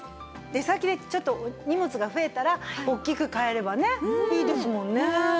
出先でちょっと荷物が増えたら大きく変えればねいいですもんね。